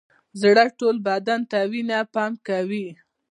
زړه ټول بدن ته وینه پمپ کوي